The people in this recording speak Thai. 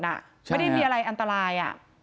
ไม่ได้มีอะไรอันตราย